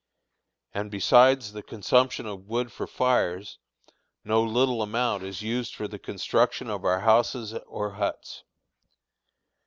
And besides the consumption of wood for fires, no little amount is used for the construction of our houses or huts.